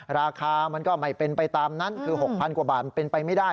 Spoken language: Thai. ราคามันก็ไม่เป็นไปตามนั้นคือ๖๐๐กว่าบาทมันเป็นไปไม่ได้